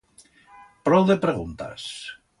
Prou de preguntas!